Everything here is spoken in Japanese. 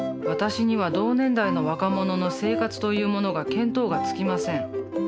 私には同年代の若者の生活というものが見当がつきません。